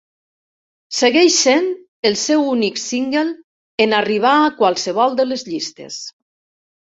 Segueix sent el seu únic single en arribar a qualsevol de les llistes.